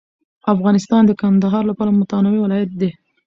افغانستان د کندهار له پلوه متنوع ولایت دی.